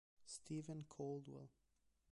Steven Caldwell